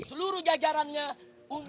seluruh jajarannya umum